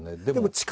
でも。